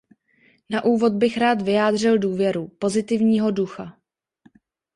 Na úvod bych rád vyjádřil důvěru, pozitivního ducha.